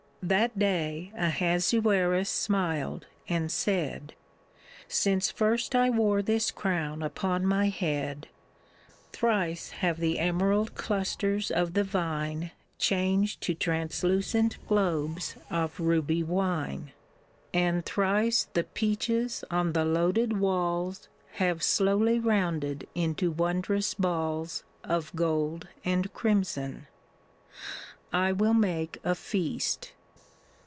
— That day Ahasuerus smiled and said, *' Since first I wore this crown upon my head Thrice have the emerald clusters of the vine Changed to translucent globes of ruby wine ; VASHTl'S SCROLL 3 1 And thrice the peaches on the loaded walls Have slowly rounded into wondrous balls Of gold and crimson. I will make a feast.